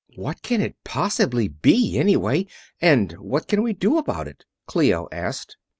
"What can it possibly be, anyway, and what can we do about it?" Clio asked.